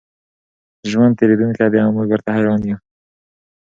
ژوند تېرېدونکی دی او موږ ورته حېران یو.